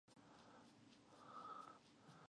چې د کابل قندهار او کابل گردیز دوه لویې لارې سره تړي.